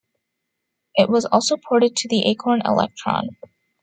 It was also ported to the Acorn Electron.